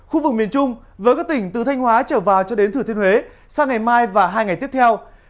khu vực miền trung với các tỉnh từ thanh hóa trở vào cho đến thừa thiên huế sang ngày mai và hai ngày tiếp theo